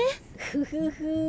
フフフ。